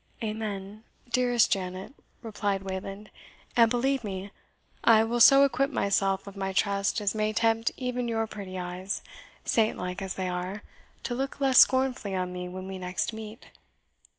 "Amen! dearest Janet," replied Wayland; "and believe me, I will so acquit myself of my trust as may tempt even your pretty eyes, saintlike as they are, to look less scornfully on me when we next meet."